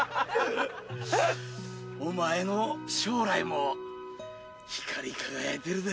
お前の将来も光り輝いてるで。